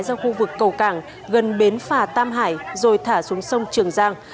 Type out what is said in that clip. ra khu vực cầu cảng gần bến phà tam hải rồi thả xuống sông trường giang